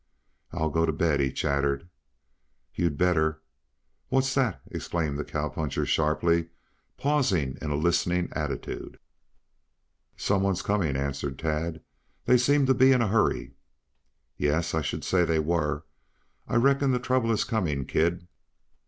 "I'll go to bed," he chattered. "You'd better. What's that?" exclaimed the cowpuncher sharply, pausing in a listening attitude. "Some one coming," answered Tad. "They seem to be in a hurry." "Yes, I should say they were. I reckon the trouble is coming, kid."